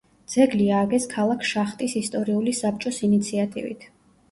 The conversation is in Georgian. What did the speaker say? ძეგლი ააგეს ქალაქ შახტის ისტორიული საბჭოს ინიციატივით.